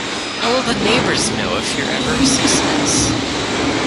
How will the neighbors know if you're ever a success?